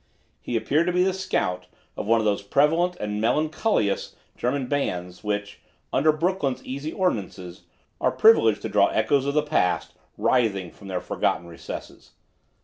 He appeared to be the "scout" of one of those prevalent and melancholious German bands, which, under Brooklyn's easy ordinances, are privileged to draw echoes of the past writhing from their forgotten recesses.